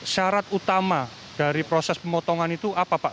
syarat utama dari proses pemotongan itu apa pak